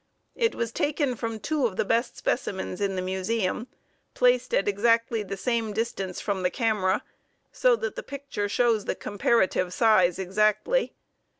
It was taken from two of the best specimens in the museum, placed at exactly the same distance from the camera so that the picture shows the comparative size exactly.